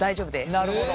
なるほど。